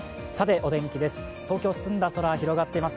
お天気です。